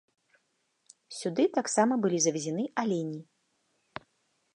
Сюды таксама былі завезены алені.